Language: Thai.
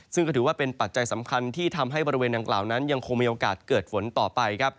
ซึ่งก็ถือว่าเป็นปัจจัยสำคัญที่ทำให้บริเวณดังกล่าวนั้นยังคงมีโอกาสเกิดฝนต่อไป